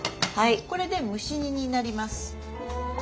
これで蒸し煮になります。